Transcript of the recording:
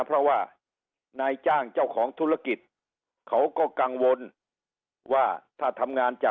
เพราะว่านายจ้างเจ้าของธุรกิจ